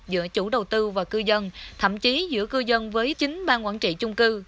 giữa chủ đầu tư và cư dân thậm chí giữa cư dân với chính bang quản trị chung cư